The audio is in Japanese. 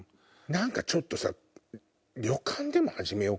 何かちょっとさ。